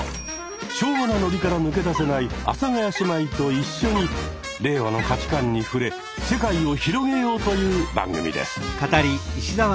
昭和なノリから抜け出せない阿佐ヶ谷姉妹と一緒に令和の価値観に触れ世界を広げようという番組です。